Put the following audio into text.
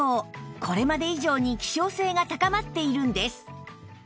これまで以上に希少性が高まっているんです